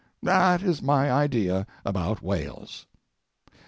That is my idea about whales.